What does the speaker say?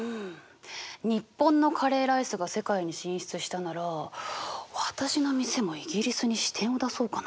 日本のカレーライスが世界に進出したなら私の店もイギリスに支店を出そうかな？